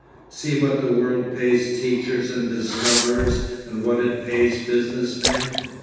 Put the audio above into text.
See what the world pays teachers and discoverers and what it pays business men!